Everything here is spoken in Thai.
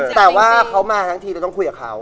แต่ว่าเขามาทั้งทีเราต้องคุยกับเขา